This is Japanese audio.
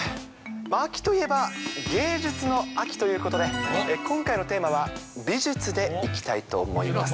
秋といえば、芸術の秋ということで、今回のテーマは美術でいきたいと思います。